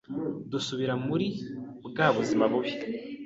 dusubira muri bwa buzima bubi,